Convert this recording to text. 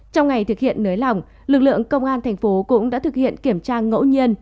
trong ngày thực hiện nới lỏng lực lượng công an thành phố cũng đã thực hiện kiểm tra ngẫu nhiên